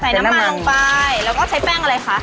น้ำมันลงไปแล้วก็ใช้แป้งอะไรคะ